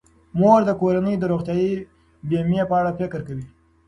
مور د کورنۍ د روغتیايي بیمې په اړه فکر کوي.